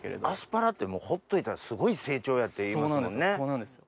アスパラってほっといたらすごい成長やっていいますもんね。